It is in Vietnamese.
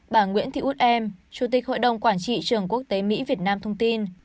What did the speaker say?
bà nguyễn thị út em chủ tịch hội đồng quản trị trường quốc tế mỹ việt nam thông tin